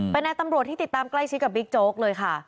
เป็นนายตำรวจที่ติดตามใกล้ชิดกับบิ๊กโจ๊กเลยค่ะ